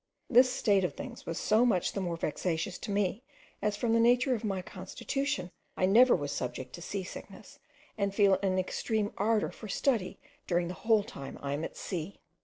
This state of things was so much the more vexatious to me as from the nature of my constitution I never was subject to sea sickness, and feel an extreme ardour for study during the whole time I am at sea.